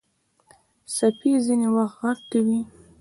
سپي ځینې وخت غږ کوي.